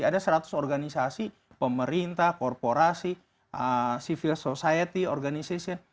ada seratus organisasi pemerintah korporasi civil society organization